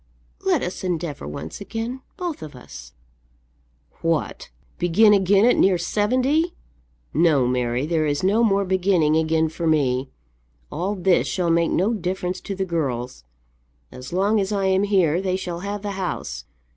"Let us endeavour once again, both of us." "What, begin again at near seventy! No, Mary, there is no more beginning again for me. All this shall make no difference to the girls. As long as I am here they shall have the house.